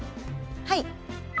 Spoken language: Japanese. はい。